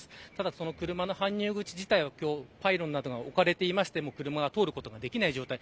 その車の搬入口自体はパイロンが置かれていて車が通ることができない状態。